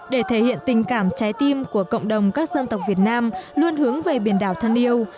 để thể hiện tình cảm trái tim của cộng đồng các dân tộc việt nam luôn hướng về biển đảo thân yêu